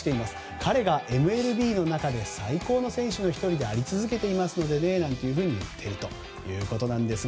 彼がＭＬＢの中で最高の選手の１人であり続けていますのでと言っているということなんです。